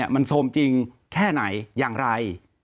มันโซมจริงแค่ไหนอย่างไร